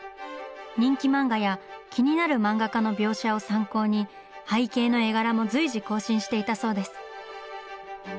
人気漫画や気になる漫画家の描写を参考に背景の絵柄も随時更新していたそうです。